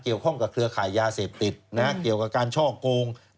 เกี่ยวข้องกับเครือขายยาเสพติดเกี่ยวกับการช่อกง